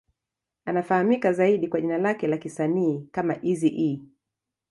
Anafahamika zaidi kwa jina lake la kisanii kama Eazy-E.